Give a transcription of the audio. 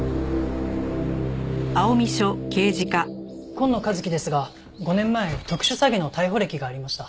今野和樹ですが５年前特殊詐欺の逮捕歴がありました。